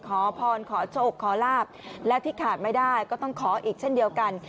ขอพรขอโชคขอลาบและที่ขาดไม่ได้ก็ต้องขออีกเช่นเดียวกัน